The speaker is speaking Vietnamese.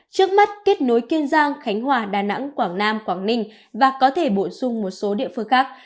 trước mắt kết nối kiên giang khánh hòa đà nẵng quảng nam quảng ninh và có thể bổ sung một số địa phương khác